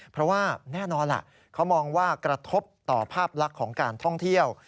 เพราะว่าแน่นอนล่ะเขามองว่ากระทบต่อภาพลักษณ์ของการท่องเที่ยว